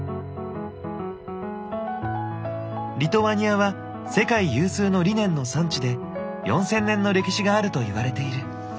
リトアニアは世界有数のリネンの産地で４０００年の歴史があるといわれている。